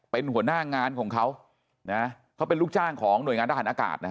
เป็นหัวหน้างานของเขานะเขาเป็นลูกจ้างของหน่วยงานทหารอากาศนะฮะ